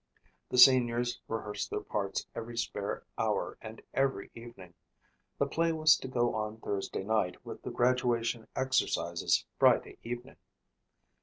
The seniors rehearsed their parts every spare hour and every evening. The play was to go on Thursday night with the graduation exercises Friday evening.